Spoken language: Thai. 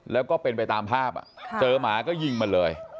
แล้วก็เป็นไปตามภาพเจอหมาก็ยิงมันเลย